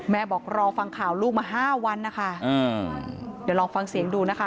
บอกรอฟังข่าวลูกมาห้าวันนะคะเดี๋ยวลองฟังเสียงดูนะคะ